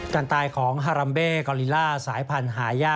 การตายของฮารัมเบกอลิล่าสายพันธุ์หายา